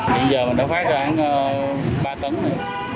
bây giờ mình đã phát ra ba tấn nữa